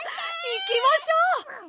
いきましょう！